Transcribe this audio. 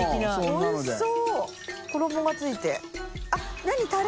おいしそう！